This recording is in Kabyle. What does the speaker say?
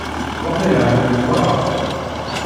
Waqil εelmen merra.